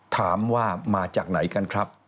ถามว่ามาจากไหนกันครับ